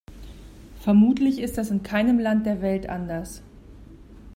Vermutlich ist das in keinem Land der Welt anders.